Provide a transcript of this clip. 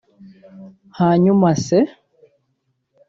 Hanyuma se